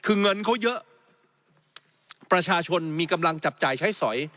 คือเงินเขาเยอะประชาชนมีกำลังจับจ่ายใช้สอย